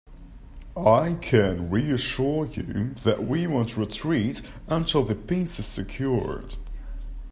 I can reassure you, that we won't retreat until the peace is secured.